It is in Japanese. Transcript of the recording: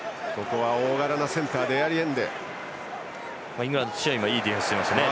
イングランドはいいディフェンスでしたね。